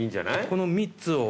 この３つを。